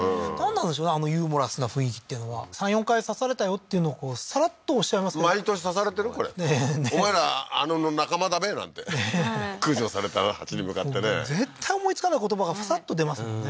あのユーモラスな雰囲気っていうのは３４回刺されたよっていうのをさらっとおっしゃいますけど「毎年刺されてるこれ」って「お前らあの仲間だべ」なんて駆除された蜂に向かってね絶対思いつかない言葉がササッと出ますもんね